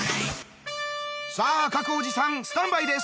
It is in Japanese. さあ各おじさんスタンバイです！